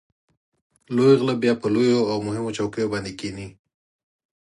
لوی غله بیا په لویو او مهمو چوکیو باندې کېني.